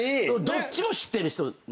どっちも知ってる人なので。